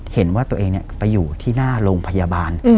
เห็นว่าตัวเองไปอยู่ที่หน้าโรงพยาบาล